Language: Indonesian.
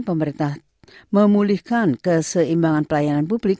pemerintah memulihkan keseimbangan pelayanan publik